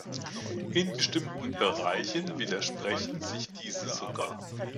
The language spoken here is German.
In bestimmten Bereichen widersprechen sich diese sogar.